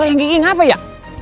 pak yang kiki ngapa ya